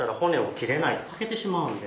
欠けてしまうんで。